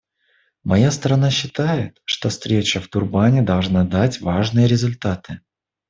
Моя страна считает, что встреча в Дурбане должна дать важные результаты.